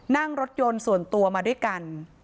นั่งรถยนต์ส่วนตัวมาด้วยกัน